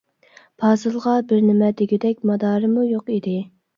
پازىلغا بىر نېمە دېگۈدەك مادارىمۇ يوق ئىدى.